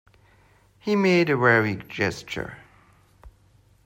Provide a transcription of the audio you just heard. He made a weary gesture.